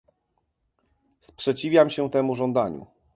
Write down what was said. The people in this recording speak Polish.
Sprzeciwiam się temu żądaniu